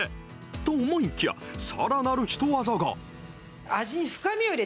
と思いきや、さらなるヒトワザが。